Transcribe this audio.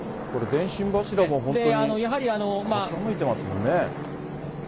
電信柱も本当に傾いてますもんね。